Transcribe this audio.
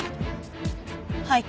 はい。